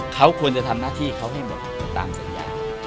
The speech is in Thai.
เขาควรจะทำหน้าที่เขาให้หมดตามสัญญา